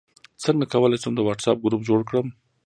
څنګه کولی شم د واټساپ ګروپ جوړ کړم